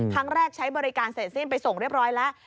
ครั้งแรกใช้บริการเสร็จสิ้นไปส่งเรียบร้อยแล้ว